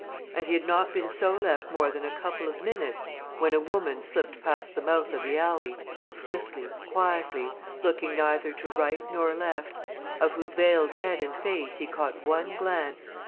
And he had not been so left more than a couple of minutes when a woman slipped past the mouth of the alley, swiftly, quietly, looking neither to right nor left, of whose veiled head and face he caught one glance.